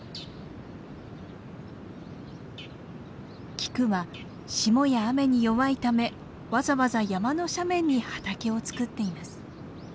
菊は霜や雨に弱いためわざわざ山の斜面に畑を作っています。